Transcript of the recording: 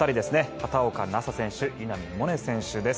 畑岡奈紗選手と稲見萌寧選手です。